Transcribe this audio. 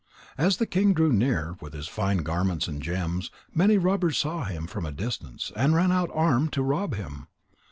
As the king drew near with his fine garments and his gems, many robbers saw him from a distance, and ran out armed to rob him.